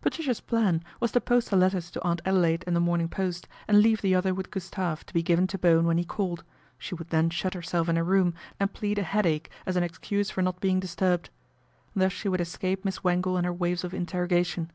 Patricia's plan was to post the letters to Aunt Adelaide and The Morning Post, and leave the other with Gustave to be given to Bowen when he called, she would then shut herself in her room and plead a headache as an excuse for not being disturbed. Thus she would escape Miss Wangle and her waves of interrogation.